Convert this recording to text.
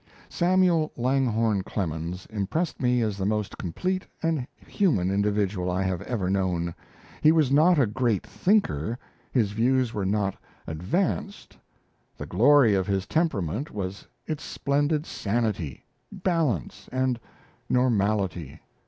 Samuel Langhorne Clemens impressed me as the most complete and human individual I have ever known. He was not a great thinker; his views were not "advanced". The glory of his temperament was its splendid sanity, balance, and normality.